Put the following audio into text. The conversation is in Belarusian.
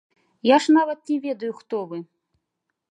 Я ж нават не ведаю, хто вы.